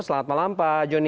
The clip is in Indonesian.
selamat malam pak joni